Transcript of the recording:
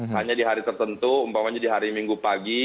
hanya di hari tertentu umpamanya di hari minggu pagi